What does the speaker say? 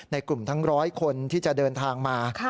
ในกลุ่มทั้ง๑๐๐คนที่จะเดินทางมา